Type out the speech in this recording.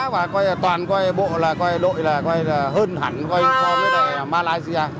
và quay là toàn quay bộ là quay đội là quay là hơn hẳn quay so với lại malaysia